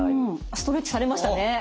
ストレッチされましたね。